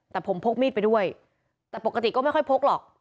แต่ผมพกมีดไปด้วยแต่ปกติก็ไม่ค่อยพกหรอก